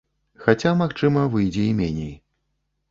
Хаця, магчыма, выйдзе і меней.